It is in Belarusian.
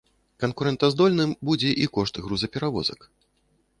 Канкурэнтаздольным будзе і кошт грузаперавозак.